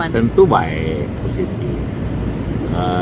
tentu baik di dunia itu ada